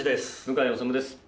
向井理です